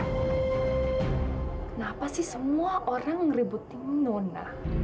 kenapa sih semua orang ngerebutin winona